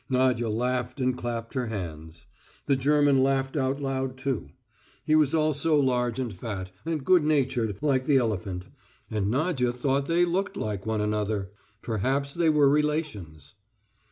Nadya laughed and clapped her hands. The German laughed out loud too. He was also large and fat, and good natured like the elephant, and Nadya thought they looked like one another. Perhaps they were relations.